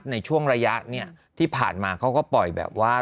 ในช่วงระยะเนี่ยที่ผ่านมาเขาก็ปล่อยแบบว่า